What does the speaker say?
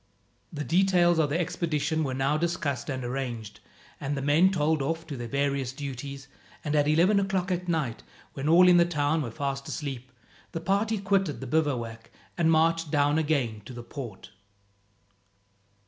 The details of the expedition were now discussed and arranged, and the men told off to their various duties, and at eleven o'clock at night, when all in the town were fast asleep, the party quitted the bivouac and marched down again to the port.